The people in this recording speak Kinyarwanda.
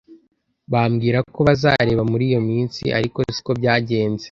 bambwira ko bazareba muri iyo minsi ariko siko byagenze